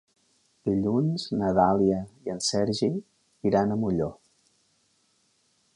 Dilluns na Dàlia i en Sergi iran a Molló.